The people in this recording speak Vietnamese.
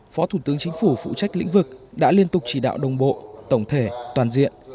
phó thủ tướng chính phủ phụ trách lĩnh vực đã liên tục chỉ đạo đồng bộ tổng thể toàn diện